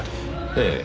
ええ。